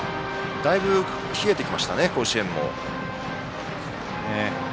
だいぶ冷えてきました、甲子園。